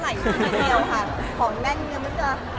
กินเยอะก่อนแล้วผ่อนเมื่อไหร่